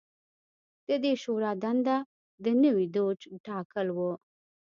د دې شورا دنده د نوي دوج ټاکل و